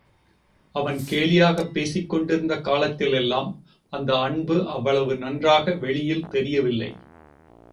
அவன் கேலியாகப் பேசிக் கொண்டிருந்த காலத்திலெல்லாம் அந்த அன்பு அவ்வளவு நன்றாக வெளியில் தெரியவில்லை.